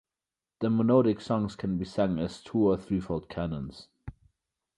The monodic songs can be sung as two- or threefold canons.